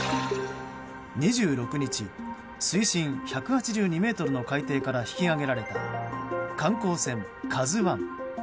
２６日水深１８２ｍの海底から引き揚げられた観光船「ＫＡＺＵ１」。